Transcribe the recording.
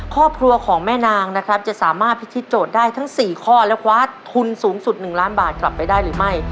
ครอบครัวของแม่นางนะครับจะสามารถพิธีโจทย์ได้ทั้ง๔ข้อและคว้าทุนสูงสุด๑ล้านบาทกลับไปได้หรือไม่